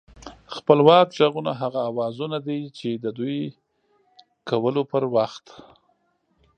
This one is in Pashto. خپلواک غږونه هغه اوازونه دي چې د دوی کولو پر وخت